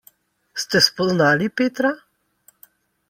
Ste spoznali Petra?